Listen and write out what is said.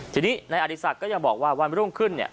ทีนี้ในอดิษฐก็ยังบอกว่าวันตรงขึ้นนี่